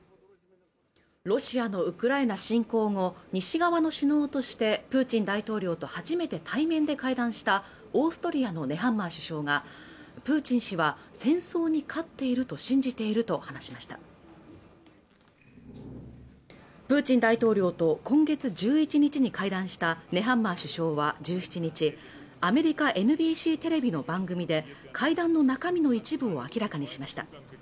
ロシアのウクライナ侵攻後、西側の首脳としてプーチン大統領と初めて対面で会談したオーストリアのネハンマー首相がプーチン氏は戦争に勝っていると信じていると話しましたプーチン大統領と今月１１日に会談したネハンマー首相は１７日アメリカＮＢＣテレビの番組で会談の中身の一部を明らかにしました